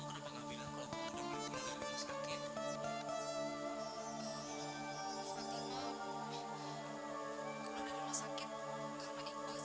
fatimah aku pernah dengar masyarakat karena iqbal sekarang naik angkot